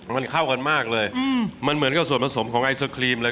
มันเข้ากันมากเลยมันเหมือนกับส่วนผสมของไอศครีมเลย